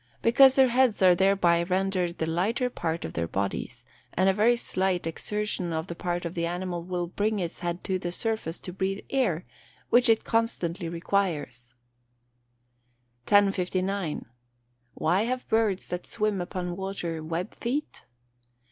_ Because their heads are thereby rendered the lighter part of their bodies, and a very slight exertion on the part of the animal will bring its head to the surface to breathe air, which it constantly requires. 1059. _Why have birds that swim upon water web feet?